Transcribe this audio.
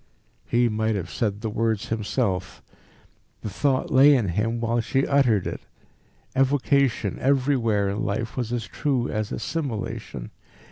He might have said the words himself. The thought lay in him while she uttered it. Evocation everywhere in life was as true as assimilation.